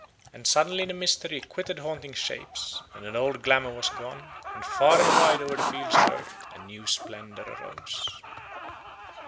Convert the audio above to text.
And suddenly the mystery quitted haunting shapes, and an old glamour was gone, and far and wide over the fields of earth a new splendour arose.